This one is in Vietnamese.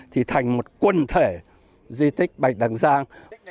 thì thành một quần thể di tích bạch đằng giang